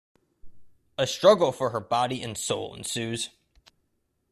A struggle for her body and soul ensues.